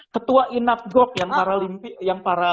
ketua inas gok yang para